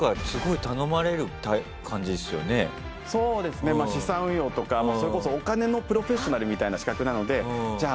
そうですねまあ資産運用とか。それこそお金のプロフェッショナルみたいな資格なのでじゃあ